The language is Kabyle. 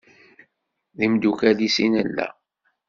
D imdukal-ik i nella.